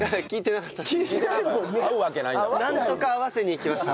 なんとか合わせにいきました。